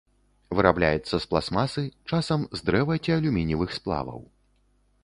Вырабляецца з пластмасы, часам з дрэва ці алюмініевых сплаваў.